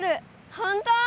本当？